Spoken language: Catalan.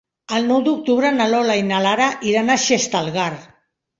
El nou d'octubre na Lola i na Lara iran a Xestalgar.